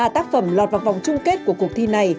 một mươi ba tác phẩm lọt vào vòng chung kết của cuộc thi này